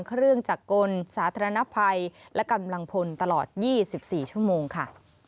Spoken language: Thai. เครื่องจักรกลสาธารณภัยและกำลังพลตลอด๒๔ชั่วโมงค่ะ